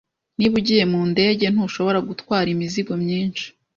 Niba ugiye mu ndege, ntushobora gutwara imizigo myinshi.